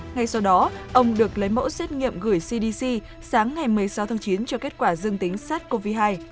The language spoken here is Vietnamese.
ngay sau đó ông được lấy mẫu xét nghiệm gửi cdc sáng ngày một mươi sáu tháng chín cho kết quả dương tính sars cov hai